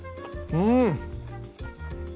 うん！